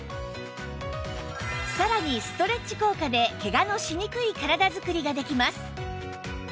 さらにストレッチ効果でケガのしにくい体づくりができます